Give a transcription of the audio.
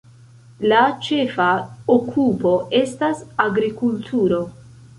La ĉefa okupo estas agrikulturo.